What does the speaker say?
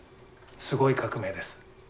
すごい革命です。